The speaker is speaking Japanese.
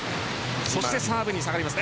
そしてサーブに下がります。